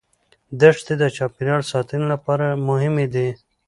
دښتې د چاپیریال ساتنې لپاره مهمې دي.